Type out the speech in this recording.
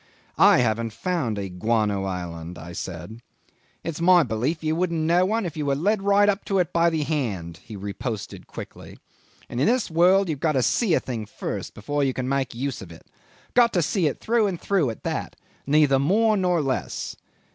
"I haven't found a guano island," I said. "It's my belief you wouldn't know one if you were led right up to it by the hand," he riposted quickly; "and in this world you've got to see a thing first, before you can make use of it. Got to see it through and through at that, neither more nor less."